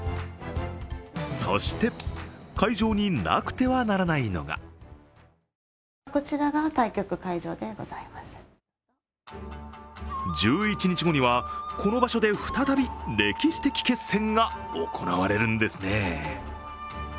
そして会場になくてはならないのが１１日後にはこの場所で再び歴史的決戦が行われるんですね。